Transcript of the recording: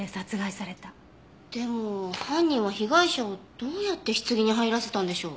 でも犯人は被害者をどうやって棺に入らせたんでしょう？